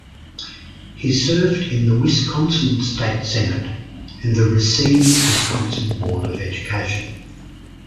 He served in the Wisconsin State Senate, and the Racine, Wisconsin Board of Education.